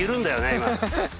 今。